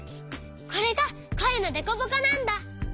これがこえのデコボコなんだ。